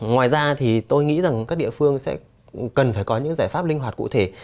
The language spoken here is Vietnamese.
ngoài ra thì tôi nghĩ rằng các địa phương sẽ cần phải có những giải pháp linh hoạt cụ thể